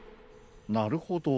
なるほど。